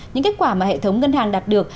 những kết quả mà hệ thống ngân hàng đạt được